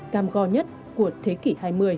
cảm co nhất của thế kỷ hai mươi